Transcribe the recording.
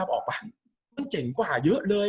กับการสตรีมเมอร์หรือการทำอะไรอย่างเงี้ย